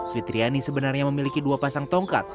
fitriani sebenarnya memiliki dua pasang tongkat